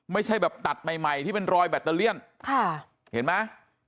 ไม่ใช่แบบตัดใหม่ใหม่ที่เป็นรอยแบตเตอเลียนค่ะเห็นไหม